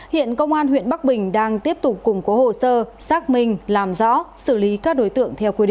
hiện công an huyện bắc bình đang tiếp tục củng cố hồ sơ xác minh làm rõ xử lý các đối tượng theo quy định